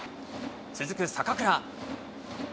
続く坂倉。